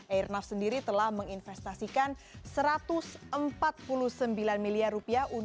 airnav sendiri telah menginvestasikan rp satu ratus empat puluh sembilan miliar rupiah